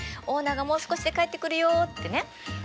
オーナーがもう少しで帰ってくるよってね。